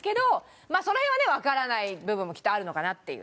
その辺はねわからない部分もきっとあるのかなっていう。